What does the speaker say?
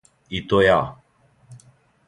И то ја.